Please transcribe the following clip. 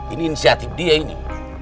ini inisiatif dia ini